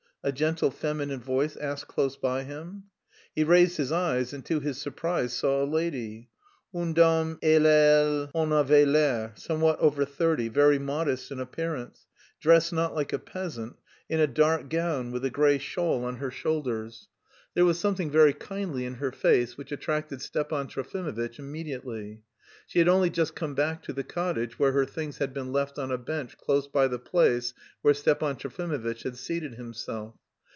a gentle feminine voice asked close by him. He raised his eyes and to his surprise saw a lady une dame et elle en avait l'air, somewhat over thirty, very modest in appearance, dressed not like a peasant, in a dark gown with a grey shawl on her shoulders. There was something very kindly in her face which attracted Stepan Trofimovitch immediately. She had only just come back to the cottage, where her things had been left on a bench close by the place where Stepan Trofimovitch had seated himself.